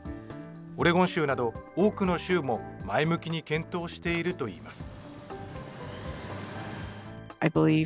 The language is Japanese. オレゴン州など多くの州も前向きに検討しているといいます。